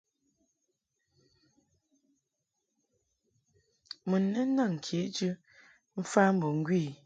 Mun lɛ naŋ kejɨ mf ambo ŋgwi i.